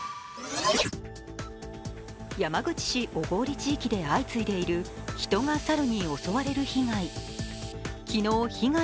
山口市小郡地域で相次いでいる人が猿に襲われる被害。